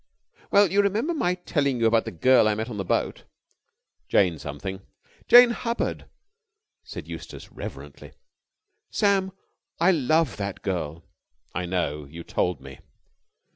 "Well, you remember my telling you about the girl I met on the boat?" "Jane Something?" "Jane Hubbard," said Eustace reverently. "Sam, I love that girl." "I know. You told me."